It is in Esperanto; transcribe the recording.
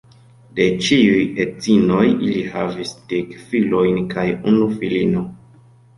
De ĉiuj edzinoj ili havis dek filojn kaj unu filino.